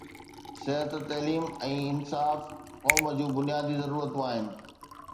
صحت، تعليم ۽ انصاف قوم جون بنيادي ضرورتون آهن.